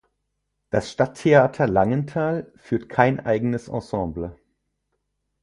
Das Stadttheater Langenthal führt kein eigenes Ensemble.